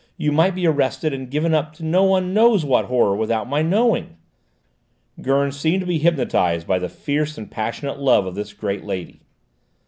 You might be arrested and given up to no one knows what horror, without my knowing!" Gurn seemed to be hypnotised by the fierce and passionate love of this great lady.